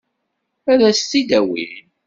Ad s-t-id-awin?